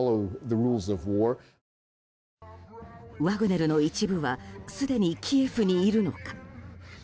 ワグネルの一部はすでにキエフにいるのか。